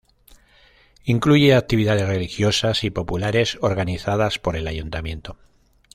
Incluye actividades religiosas y populares organizadas por el ayuntamiento.